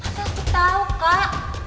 masa aku tau kak